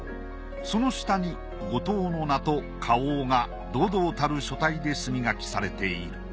その下に後藤の名と花押が堂々たる書体で墨書きされている。